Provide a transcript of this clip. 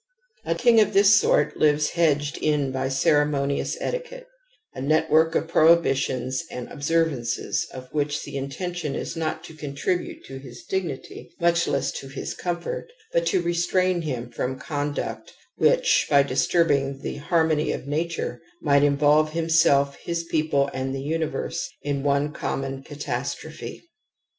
A king of this sort lives hedged in by ceremonious etiquette, a network of prohibitions and observances, of which the intention is not to contribute to his dignity, much less to his comfort, but to restrain him from conduct which, by disturbing the harmony of nature, might involve himself, his people, and the universe in one conunon catastrophe.